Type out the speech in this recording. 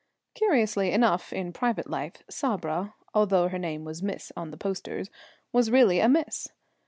Curiously enough, in private life, Sabra, although her name was Miss on the posters, was really a Miss.